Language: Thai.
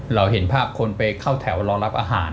เราเห็นภาพคนไปเข้าแถวรอรับอาหาร